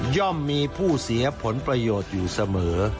่อมมีผู้เสียผลประโยชน์อยู่เสมอ